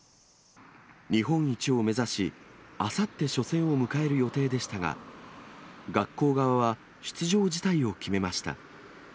日本一を目指し、あさって初戦を迎える予定でしたが、学校側は出場辞退を決めました。